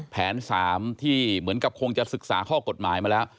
แผน๓ที่เหมือนกับคงจะศึกษาข้อกฎหมายมาแล้ว